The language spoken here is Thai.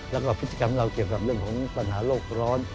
และก็พิกัดของเราเกี่ยวกับเรื่องกับปัญหาโลกร้อน